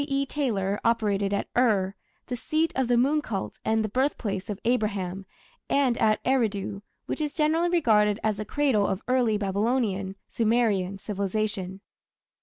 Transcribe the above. E. Taylor operated at Ur, the seat of the moon cult and the birthplace of Abraham, and at Eridu, which is generally regarded as the cradle of early Babylonian (Sumerian) civilization.